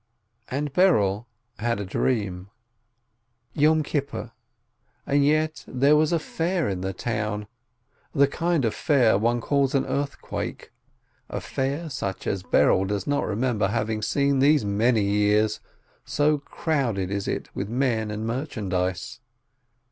. And Berel had a dream : Yom Kippur, and yet there is a fair in the town, the kind of fair one calls an "earthquake," a fair such as Berel does not remember having seen these many years, so crowded is it with men and merchandise.